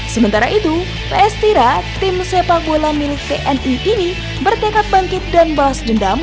sementara itu ps tira tim sepak bola milik tni ini bertekad bangkit dan balas dendam